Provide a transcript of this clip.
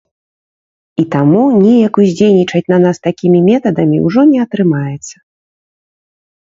І таму неяк уздзейнічаць на нас такімі метадамі ўжо не атрымаецца.